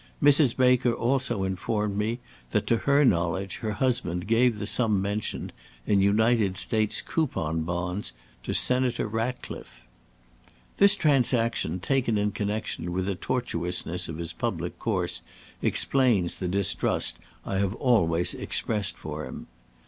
Mrs. Baker also informed me that to her knowledge her husband gave the sum mentioned, in United States Coupon Bonds, to Senator Ratcliffe. "This transaction, taken in connection with the tortuousness of his public course, explains the distrust I have always expressed for him.